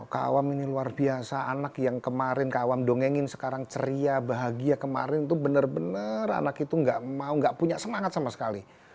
kak awam ini luar biasa anak yang kemarin kak awam dongengin sekarang ceria bahagia kemarin itu bener bener anak itu gak mau gak punya semangat sama sekali